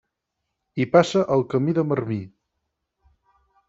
Hi passa el Camí de Marmí.